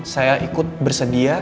saya ikut bersedia